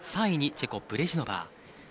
３位にチェコ、ブレジノバー。